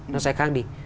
nó sẽ khác đi